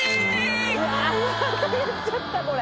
うわっまたやっちゃったこれ。